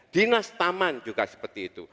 dinas taman juga seperti itu